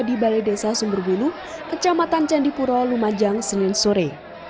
di balai desa sumberbulu kecamatan candipuro lumajang senin sore